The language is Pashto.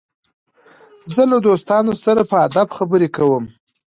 زه له دوستانو سره په ادب خبري کوم.